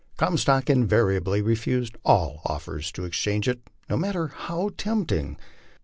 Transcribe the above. Comstock invariably refused all offers to exchange it, no mat ter how tempting.